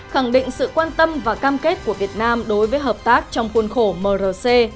khẳng định sự quan tâm và cam kết của việt nam đối với hợp tác trong khuôn khổ mrc